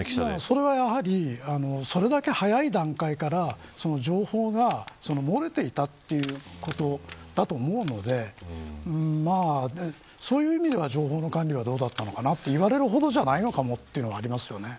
それはやはりそれだけ早い段階から情報が漏れていたということだと思うのでそういう意味では情報の管理はどうだったのかといわれるほどじゃないのかもというのはありますね。